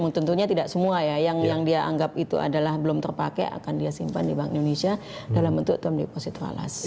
tentunya tidak semua ya yang dia anggap itu adalah belum terpakai akan dia simpan di bank indonesia dalam bentuk term deposito alas